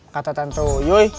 kata tantu yuy